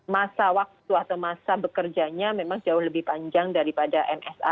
masa waktu atau masa bekerjanya memang jauh lebih panjang daripada msa